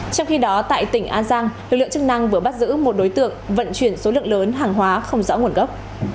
trong khi đó tại tỉnh an giang lực lượng chức năng vừa bắt giữ một đối tượng vận chuyển số lượng lớn hàng hóa không rõ nguồn gốc